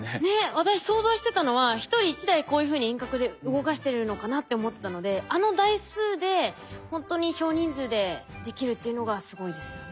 私想像してたのは１人１台こういうふうに遠隔で動かしてるのかなって思ってたのであの台数でほんとに少人数でできるっていうのがすごいですよね。